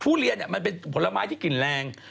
ทุเรียนมันเป็นผลไม้ที่กลิ่นแรง